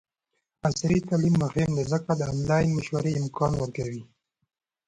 عصري تعلیم مهم دی ځکه چې د آنلاین مشورې امکان ورکوي.